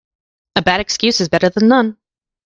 A bad excuse is better then none.